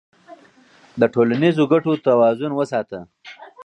د ټولنیزو ګټو توازن وساته.